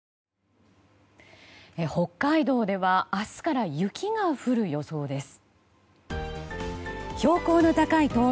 北海道では明日から雪が降る予想です。